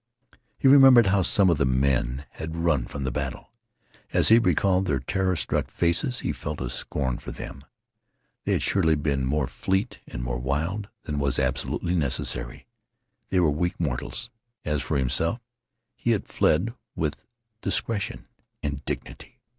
He remembered how some of the men had run from the battle. As he recalled their terror struck faces he felt a scorn for them. They had surely been more fleet and more wild than was absolutely necessary. They were weak mortals. As for himself, he had fled with discretion and dignity.